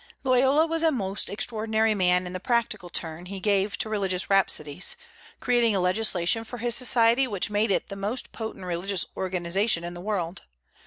Loyola was a most extraordinary man in the practical turn he gave to religious rhapsodies; creating a legislation for his Society which made it the most potent religious organization in the world.